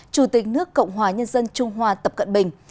chủ tịch nước cộng hòa nhân dân trung hoa tập cận bình